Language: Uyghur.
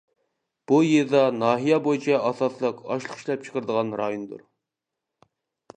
بۇ يېزا ناھىيە بويىچە ئاساسلىق ئاشلىق ئىشلەپچىقىرىدىغان رايوندۇر.